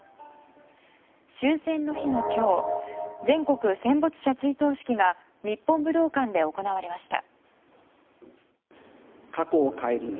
終戦の日の今日全国戦没者追悼式が日本武道館で行われました。